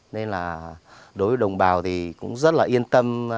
nên là đối với đồng bào thì cũng rất là yên tâm